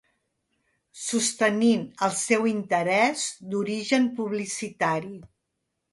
Sostenint el seu interès d'origen publicitari.